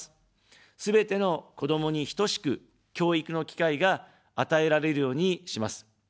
すべての子どもに等しく、教育の機会が与えられるようにします。